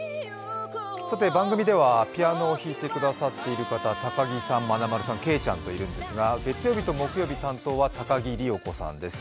さて番組ではピアノを弾いてくださっている方、高木さん、まなまるさんけいちゃんといるんですが月曜日と木曜日担当は高木里代子さんです。